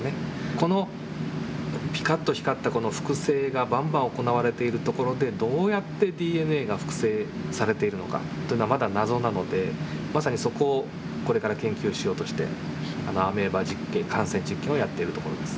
このピカッと光ったこの複製がばんばん行われているところでどうやってＤＮＡが複製されているのかというのはまだ謎なのでまさにそこをこれから研究しようとしてアメーバ実験感染実験をやっているところです。